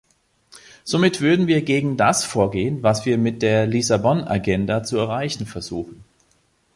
Somit würden wir gegen das vorgehen, was wir mit der Lissabon-Agenda zu erreichen versuchen.